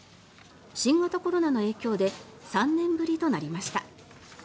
新型コロナの影響で３年ぶりとなりました。